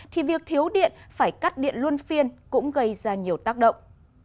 thì việc thiếu điện phải cắt điện luôn phiên cũng gây ra nhiều tác động